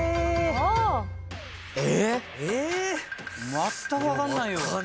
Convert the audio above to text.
まったく分かんないよ。